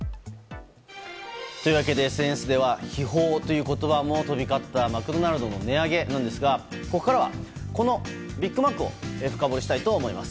というわけで、ＳＮＳでは悲報という言葉も飛び交ったマクドナルドの値上げなんですがここからは、このビッグマックを深掘りしたいと思います。